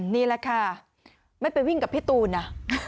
นี่แหละค่ะไม่ไปวิ่งกับพี่ตูนนะ